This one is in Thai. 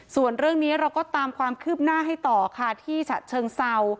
ส่วนเรื่องนี้เราก็ตามความคืบหน้าให้ต่อค่ะที่ฉะเชิงเศร้า